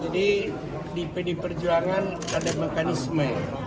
jadi di pd perjuangan ada mekanisme